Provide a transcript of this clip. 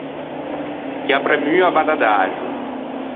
Chi à premmua vadde adaxo.